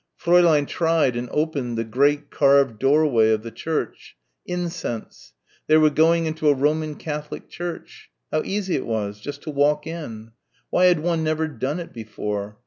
Fräulein tried and opened the great carved doorway of the church ... incense.... They were going into a Roman Catholic church. How easy it was; just to walk in. Why had one never done it before?